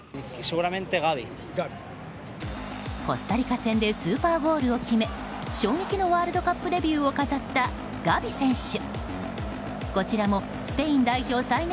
コスタリカ戦でスーパーゴールを決め衝撃のワールドカップデビューを飾ったガヴィ選手。